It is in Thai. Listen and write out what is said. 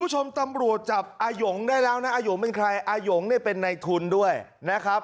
ผู้ชมตำรวจจับอายกุ๋ได้แล้วน่ะอายกุ๋เป็นใครอายกุ๋เป็นในทุนด้วยนะครับ